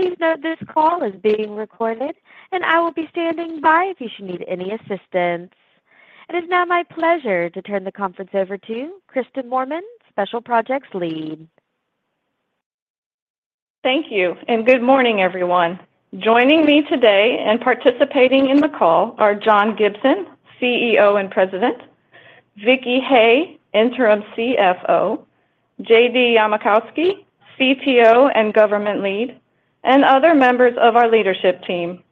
Please note this call is being recorded, and I will be standing by if you should need any assistance. It is now my pleasure to turn the conference over to Kristin Moorman, Special Projects Lead. Thank you, and good morning, everyone. Joining me today and participating in the call are John Gibson, CEO and President, Vicki Hay, Interim CFO, JD Yamokoski, CTO and Government Lead, and other members of our leadership team.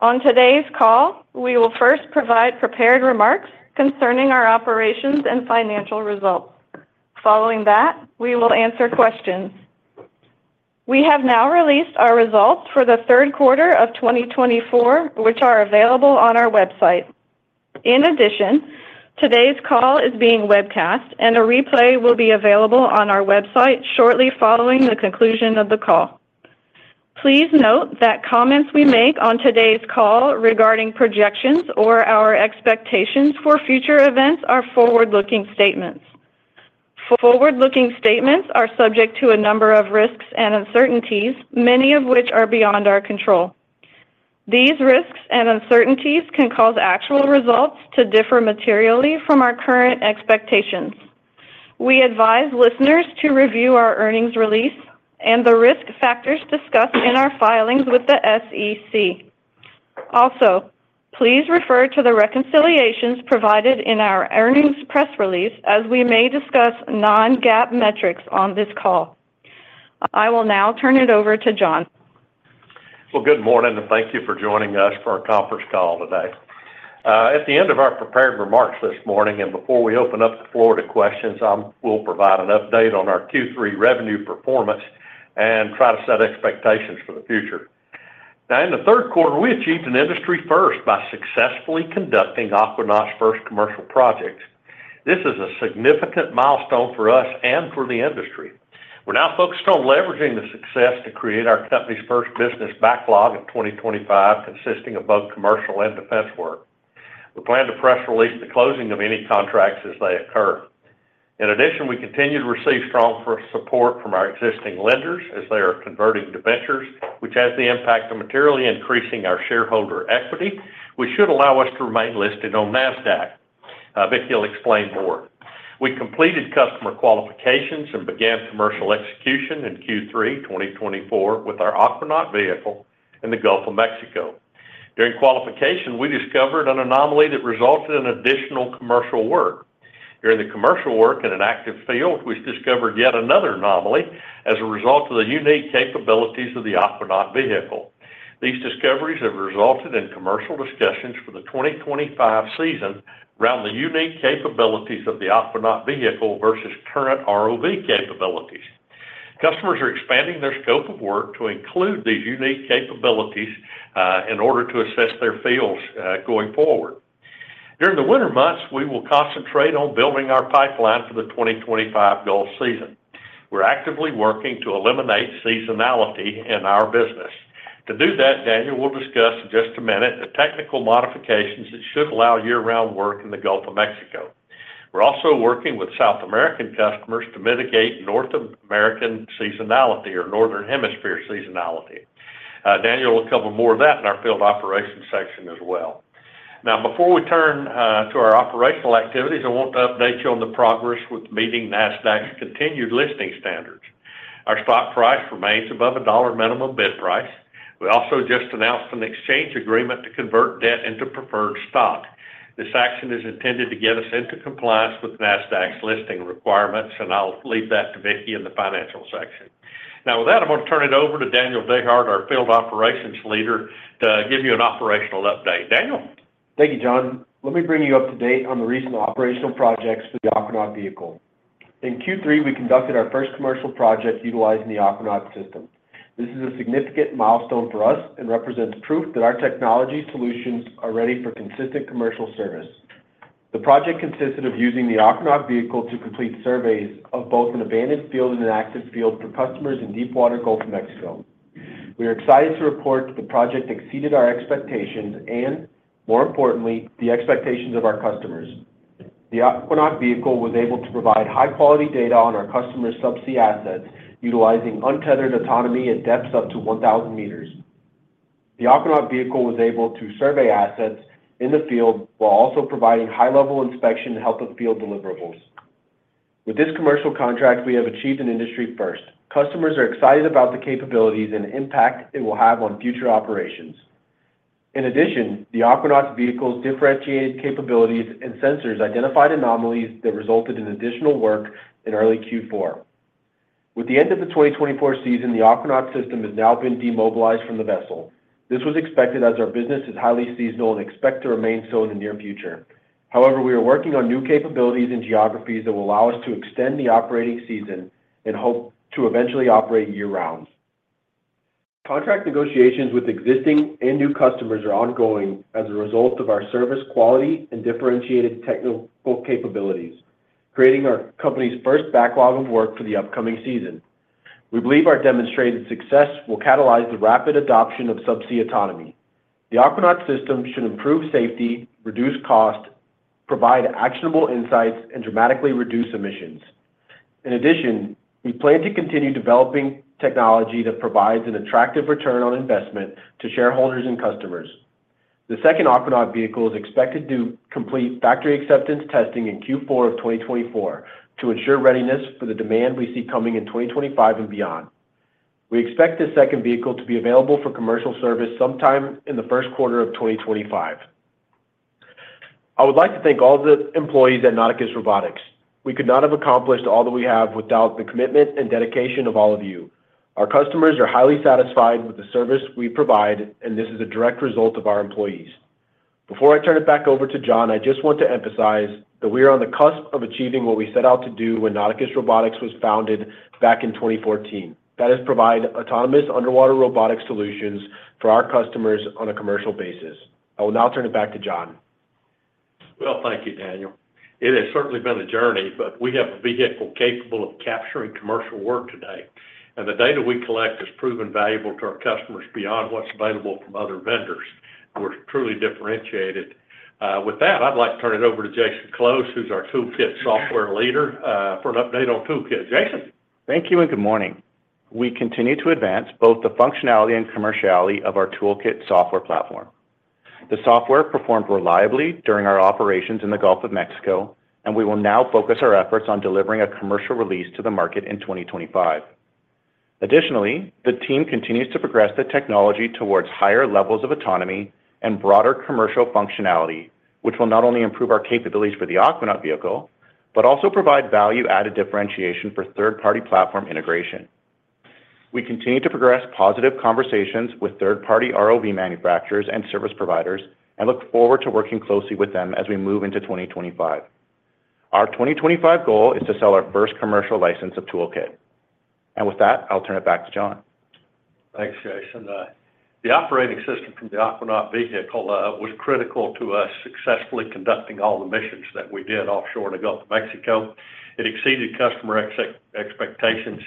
On today's call, we will first provide prepared remarks concerning our operations and financial results. Following that, we will answer questions. We have now released our results for the third quarter of 2024, which are available on our website. In addition, today's call is being webcast, and a replay will be available on our website shortly following the conclusion of the call. Please note that comments we make on today's call regarding projections or our expectations for future events are forward-looking statements. Forward-looking statements are subject to a number of risks and uncertainties, many of which are beyond our control. These risks and uncertainties can cause actual results to differ materially from our current expectations. We advise listeners to review our earnings release and the risk factors discussed in our filings with the SEC. Also, please refer to the reconciliations provided in our earnings press release, as we may discuss Non-GAAP metrics on this call. I will now turn it over to John. Well, good morning, and thank you for joining us for our conference call today. At the end of our prepared remarks this morning and before we open up the floor to questions, I will provide an update on our Q3 revenue performance and try to set expectations for the future. Now, in the third quarter, we achieved an industry first by successfully conducting Aquanaut's first commercial projects. This is a significant milestone for us and for the industry. We're now focused on leveraging the success to create our company's first business backlog of 2025, consisting of both commercial and defense work. We plan to press release the closing of any contracts as they occur. In addition, we continue to receive strong support from our existing lenders as they are converting debentures, which has the impact of materially increasing our shareholder equity, which should allow us to remain listed on NASDAQ. Vicki will explain more. We completed customer qualifications and began commercial execution in Q3 2024 with our Aquanaut vehicle in the Gulf of Mexico. During qualification, we discovered an anomaly that resulted in additional commercial work. During the commercial work in an active field, we discovered yet another anomaly as a result of the unique capabilities of the Aquanaut vehicle. These discoveries have resulted in commercial discussions for the 2025 season around the unique capabilities of the Aquanaut vehicle versus current ROV capabilities. Customers are expanding their scope of work to include these unique capabilities in order to assess their fields going forward. During the winter months, we will concentrate on building our pipeline for the 2025 Gulf season. We're actively working to eliminate seasonality in our business. To do that, Daniel will discuss in just a minute the technical modifications that should allow year-round work in the Gulf of Mexico. We're also working with South American customers to mitigate North American seasonality or Northern Hemisphere seasonality. Daniel will cover more of that in our field operations section as well. Now, before we turn to our operational activities, I want to update you on the progress with meeting NASDAQ's continued listing standards. Our stock price remains above a dollar minimum bid price. We also just announced an exchange agreement to convert debt into preferred stock. This action is intended to get us into compliance with NASDAQ's listing requirements, and I'll leave that to Vicki in the financial section. Now, with that, I'm going to turn it over to Daniel Dehart, our field operations leader, to give you an operational update. Daniel. Thank you, John. Let me bring you up to date on the recent operational projects for the Aquanaut vehicle. In Q3, we conducted our first commercial project utilizing the Aquanaut system. This is a significant milestone for us and represents proof that our technology solutions are ready for consistent commercial service. The project consisted of using the Aquanaut vehicle to complete surveys of both an abandoned field and an active field for customers in deep water Gulf of Mexico. We are excited to report the project exceeded our expectations and, more importantly, the expectations of our customers. The Aquanaut vehicle was able to provide high-quality data on our customers' subsea assets utilizing untethered autonomy at depths up to 1,000 meters. The Aquanaut vehicle was able to survey assets in the field while also providing high-level inspection to help with field deliverables. With this commercial contract, we have achieved an industry first. Customers are excited about the capabilities and impact it will have on future operations. In addition, the Aquanaut vehicle's differentiated capabilities and sensors identified anomalies that resulted in additional work in early Q4. With the end of the 2024 season, the Aquanaut system has now been demobilized from the vessel. This was expected as our business is highly seasonal and expected to remain so in the near future. However, we are working on new capabilities and geographies that will allow us to extend the operating season and hope to eventually operate year-round. Contract negotiations with existing and new customers are ongoing as a result of our service quality and differentiated technical capabilities, creating our company's first backlog of work for the upcoming season. We believe our demonstrated success will catalyze the rapid adoption of subsea autonomy. The Aquanaut system should improve safety, reduce cost, provide actionable insights, and dramatically reduce emissions. In addition, we plan to continue developing technology that provides an attractive return on investment to shareholders and customers. The second Aquanaut vehicle is expected to complete Factory Acceptance Testing in Q4 of 2024 to ensure readiness for the demand we see coming in 2025 and beyond. We expect this second vehicle to be available for commercial service sometime in the first quarter of 2025. I would like to thank all the employees at Nauticus Robotics. We could not have accomplished all that we have without the commitment and dedication of all of you. Our customers are highly satisfied with the service we provide, and this is a direct result of our employees. Before I turn it back over to John, I just want to emphasize that we are on the cusp of achieving what we set out to do when Nauticus Robotics was founded back in 2014, that is, provide autonomous underwater robotic solutions for our customers on a commercial basis. I will now turn it back to John. Thank you, Daniel. It has certainly been a journey, but we have a vehicle capable of capturing commercial work today. The data we collect has proven valuable to our customers beyond what's available from other vendors, and we're truly differentiated. With that, I'd like to turn it over to Jason Close, who's our ToolKITT Software Leader, for an update on ToolKITT. Jason. Thank you and good morning. We continue to advance both the functionality and commerciality of our ToolKITT software platform. The software performed reliably during our operations in the Gulf of Mexico, and we will now focus our efforts on delivering a commercial release to the market in 2025. Additionally, the team continues to progress the technology towards higher levels of autonomy and broader commercial functionality, which will not only improve our capabilities for the Aquanaut vehicle but also provide value-added differentiation for third-party platform integration. We continue to progress positive conversations with third-party ROV manufacturers and service providers and look forward to working closely with them as we move into 2025. Our 2025 goal is to sell our first commercial license of ToolKITT. With that, I'll turn it back to John. Thanks, Jason. The operating system from the Aquanaut vehicle was critical to us successfully conducting all the missions that we did offshore in the Gulf of Mexico. It exceeded customer expectations,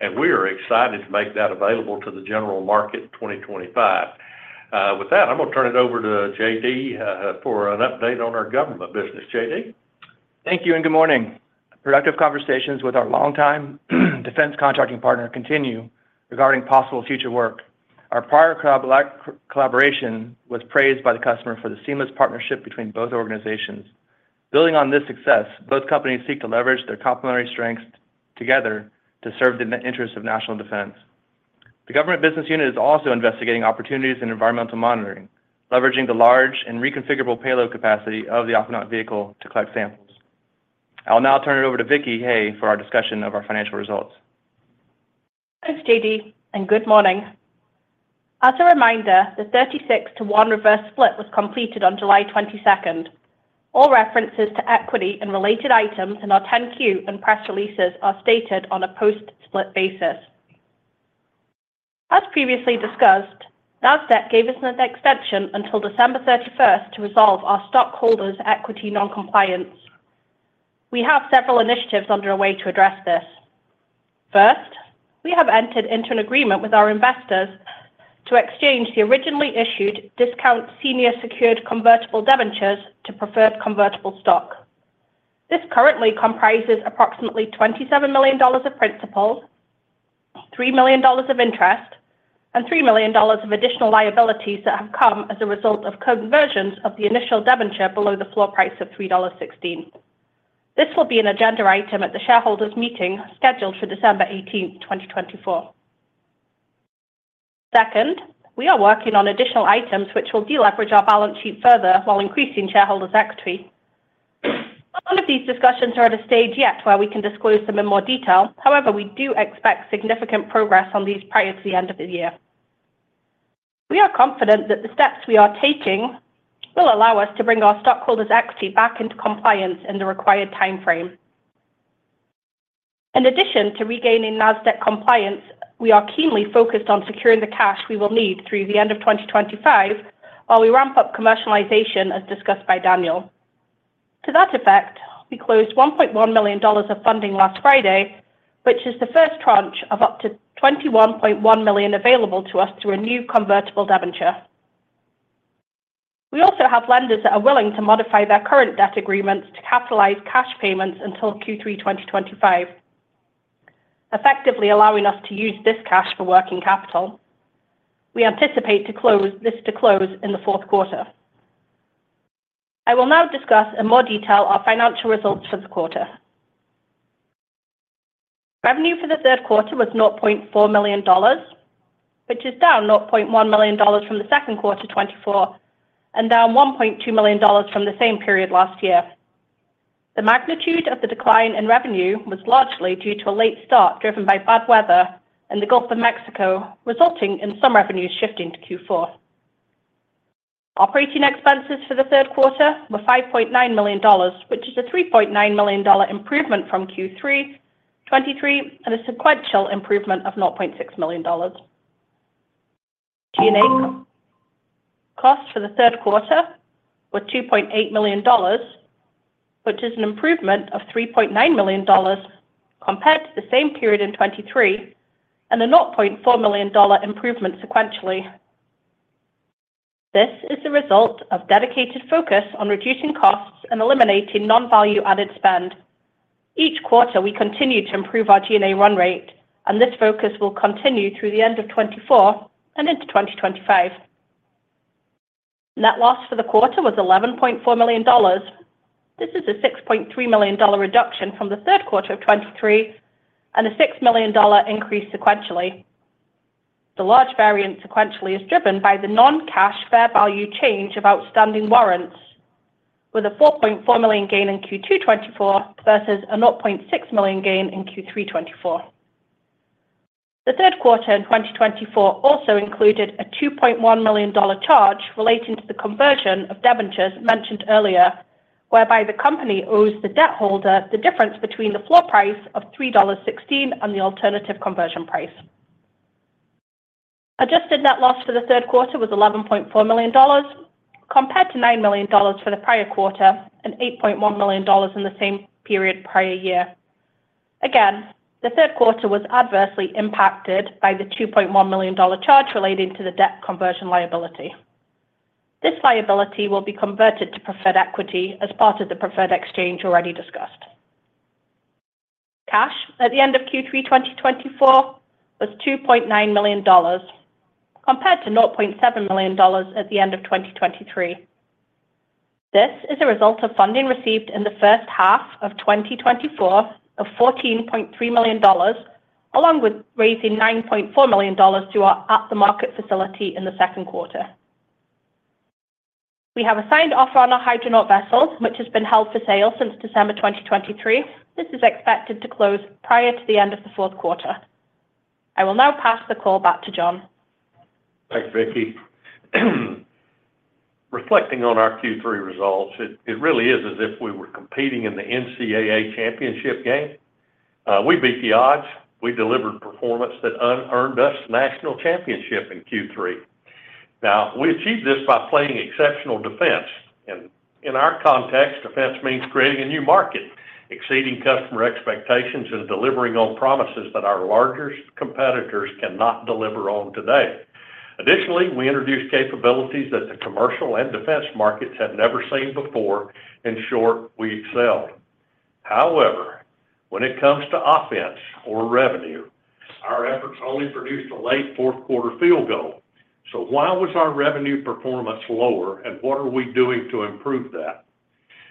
and we are excited to make that available to the general market in 2025. With that, I'm going to turn it over to JD for an update on our government business. JD. Thank you and good morning. Productive conversations with our longtime defense contracting partner continue regarding possible future work. Our prior collaboration was praised by the customer for the seamless partnership between both organizations. Building on this success, both companies seek to leverage their complementary strengths together to serve the interests of national defense. The government business unit is also investigating opportunities in environmental monitoring, leveraging the large and reconfigurable payload capacity of the Aquanaut vehicle to collect samples. I'll now turn it over to Vicki Hay for our discussion of our financial results. Thanks, JD, and good morning. As a reminder, the 36-to-1 reverse split was completed on July 22nd. All references to equity and related items in our 10-Q and press releases are stated on a post-split basis. As previously discussed, NASDAQ gave us an extension until December 31st to resolve our stockholders' equity non-compliance. We have several initiatives underway to address this. First, we have entered into an agreement with our investors to exchange the originally issued discount senior secured convertible debentures to preferred convertible stock. This currently comprises approximately $27 million of principal, $3 million of interest, and $3 million of additional liabilities that have come as a result of conversions of the initial debenture below the floor price of $3.16. This will be an agenda item at the shareholders' meeting scheduled for December 18th, 2024. Second, we are working on additional items which will deleverage our balance sheet further while increasing shareholders' equity. None of these discussions are at a stage yet where we can disclose them in more detail. However, we do expect significant progress on these prior to the end of the year. We are confident that the steps we are taking will allow us to bring our stockholders' equity back into compliance in the required timeframe. In addition to regaining NASDAQ compliance, we are keenly focused on securing the cash we will need through the end of 2025 while we ramp up commercialization as discussed by Daniel. To that effect, we closed $1.1 million of funding last Friday, which is the first tranche of up to $21.1 million available to us through a new convertible debenture. We also have lenders that are willing to modify their current debt agreements to capitalize cash payments until Q3 2025, effectively allowing us to use this cash for working capital. We anticipate this to close in the fourth quarter. I will now discuss in more detail our financial results for the quarter. Revenue for the third quarter was $0.4 million, which is down $0.1 million from the second quarter 2024 and down $1.2 million from the same period last year. The magnitude of the decline in revenue was largely due to a late start driven by bad weather in the Gulf of Mexico, resulting in some revenues shifting to Q4. Operating expenses for the third quarter were $5.9 million, which is a $3.9 million improvement from Q3 2023 and a sequential improvement of $0.6 million. G&A costs for the third quarter were $2.8 million, which is an improvement of $3.9 million compared to the same period in 2023 and a $0.4 million improvement sequentially. This is the result of dedicated focus on reducing costs and eliminating non-value-added spend. Each quarter, we continue to improve our G&A run rate, and this focus will continue through the end of 2024 and into 2025. Net loss for the quarter was $11.4 million. This is a $6.3 million reduction from the third quarter of 2023 and a $6 million increase sequentially. The large variance sequentially is driven by the non-cash fair value change of outstanding warrants, with a $4.4 million gain in Q2 2024 versus a $0.6 million gain in Q3 2024. The third quarter in 2024 also included a $2.1 million charge relating to the conversion of debentures mentioned earlier, whereby the company owes the debt holder the difference between the floor price of $3.16 and the alternative conversion price. Adjusted net loss for the third quarter was $11.4 million compared to $9 million for the prior quarter and $8.1 million in the same period prior year. Again, the third quarter was adversely impacted by the $2.1 million charge relating to the debt conversion liability. This liability will be converted to preferred equity as part of the preferred exchange already discussed. Cash at the end of Q3 2024 was $2.9 million compared to $0.7 million at the end of 2023. This is a result of funding received in the first half of 2024 of $14.3 million, along with raising $9.4 million through our at-the-market facility in the second quarter. We have a signed offer on our Hydronaut vessel, which has been held for sale since December 2023. This is expected to close prior to the end of the fourth quarter. I will now pass the call back to John. Thanks, Vicki. Reflecting on our Q3 results, it really is as if we were competing in the NCAA championship game. We beat the odds. We delivered performance that earned us national championship in Q3. Now, we achieved this by playing exceptional defense. In our context, defense means creating a new market, exceeding customer expectations, and delivering on promises that our largest competitors cannot deliver on today. Additionally, we introduced capabilities that the commercial and defense markets have never seen before. In short, we excelled. However, when it comes to offense or revenue, our efforts only produced a late fourth-quarter field goal. So why was our revenue performance lower, and what are we doing to improve that?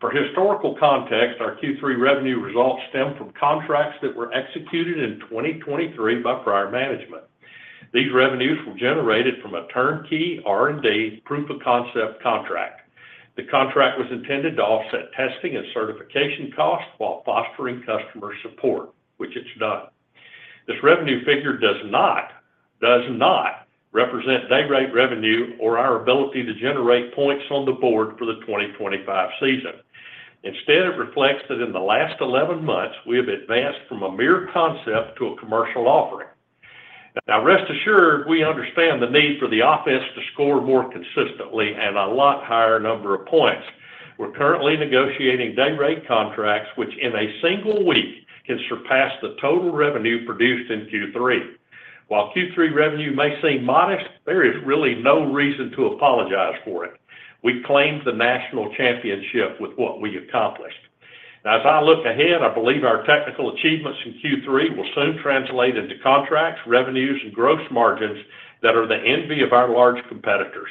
For historical context, our Q3 revenue results stem from contracts that were executed in 2023 by prior management. These revenues were generated from a turnkey R&D proof-of-concept contract. The contract was intended to offset testing and certification costs while fostering customer support, which it's done. This revenue figure does not represent day-rate revenue or our ability to generate points on the board for the 2025 season. Instead, it reflects that in the last 11 months, we have advanced from a mere concept to a commercial offering. Now, rest assured, we understand the need for the offense to score more consistently and a lot higher number of points. We're currently negotiating day-rate contracts, which in a single week can surpass the total revenue produced in Q3. While Q3 revenue may seem modest, there is really no reason to apologize for it. We claimed the national championship with what we accomplished. Now, as I look ahead, I believe our technical achievements in Q3 will soon translate into contracts, revenues, and gross margins that are the envy of our large competitors.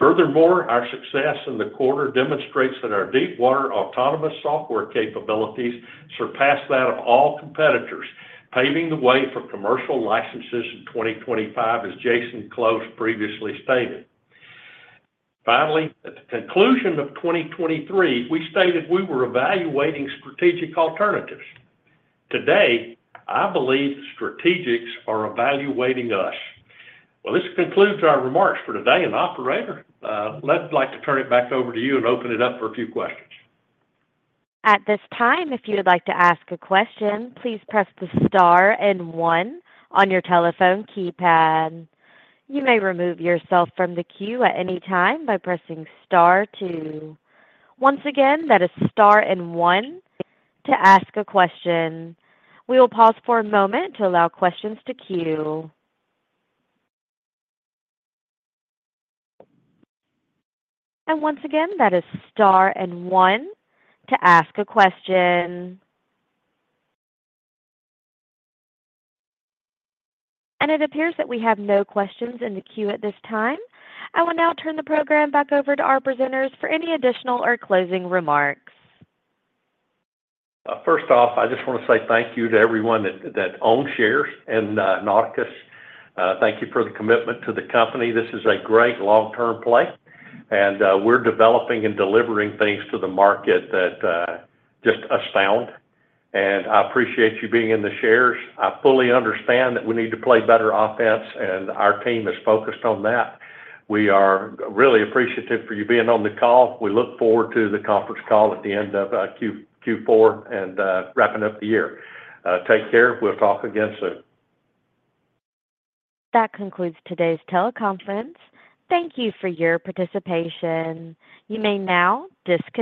Furthermore, our success in the quarter demonstrates that our deep-water autonomous software capabilities surpass that of all competitors, paving the way for commercial licenses in 2025, as Jason Close previously stated. Finally, at the conclusion of 2023, we stated we were evaluating strategic alternatives. Today, I believe strategics are evaluating us. This concludes our remarks for today to the operator. I'd like to turn it back over to you and open it up for a few questions. At this time, if you would like to ask a question, please press the star and one on your telephone keypad. You may remove yourself from the queue at any time by pressing star two. Once again, that is star and one to ask a question. We will pause for a moment to allow questions to queue. And once again, that is star and one to ask a question. And it appears that we have no questions in the queue at this time. I will now turn the program back over to our presenters for any additional or closing remarks. First off, I just want to say thank you to everyone that owned shares in Nauticus. Thank you for the commitment to the company. This is a great long-term play, and we're developing and delivering things to the market that just astound, and I appreciate you being in the shares. I fully understand that we need to play better offense, and our team is focused on that. We are really appreciative for you being on the call. We look forward to the conference call at the end of Q4 and wrapping up the year. Take care. We'll talk again soon. That concludes today's teleconference. Thank you for your participation. You may now disconnect.